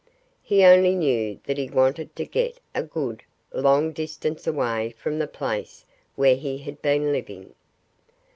He only knew that he wanted to get a good, long distance away from the place where he had been living.